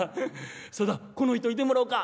そうだこの人行てもらおうか」。